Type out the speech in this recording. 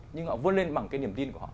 nhưng họ vươn lên bằng cái niềm tin của họ